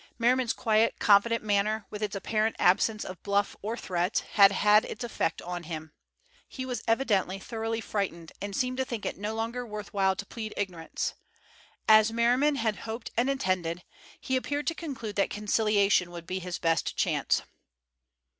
Merriman's quiet, confident manner, with its apparent absence of bluff or threat, had had its effect on him. He was evidently thoroughly frightened, and seemed to think it no longer worth while to plead ignorance. As Merriman had hoped and intended, he appeared to conclude that conciliation would be his best chance.